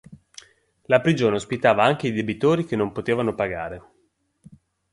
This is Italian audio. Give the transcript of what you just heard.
La prigione ospitava anche i debitori che non potevano pagare.